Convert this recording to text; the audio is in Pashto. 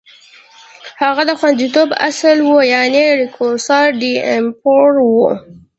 هغه د خوندیتوب اصل و، یعنې ریکورسو ډی امپارو و.